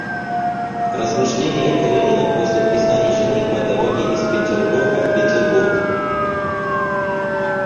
Размышления Каренина после признаний жены по дороге из Петергофа в Петербург.